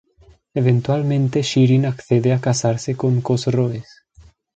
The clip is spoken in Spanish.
Eventualmente Shirin accede a casarse con Cosroes.